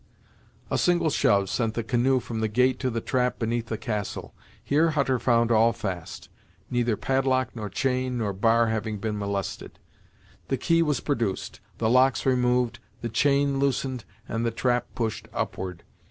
A single shove sent the canoe from the gate to the trap beneath the castle. Here Hutter found all fast, neither padlock nor chain nor bar having been molested. The key was produced, the locks removed, the chain loosened, and the trap pushed upward.